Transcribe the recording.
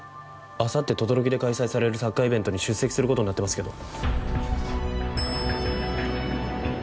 あさって等々力で開催されるサッカーイベントに出席する事になってますけど。